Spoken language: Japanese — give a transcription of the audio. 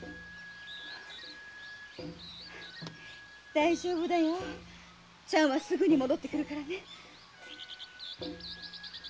大丈夫だよちゃんはすぐに戻ってくるからね。